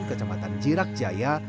kecamatan jirak jaya